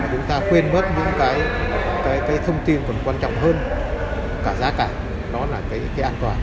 chúng ta quên mất những cái thông tin còn quan trọng hơn cả giá cả đó là cái an toàn